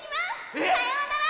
えっ⁉さようなら！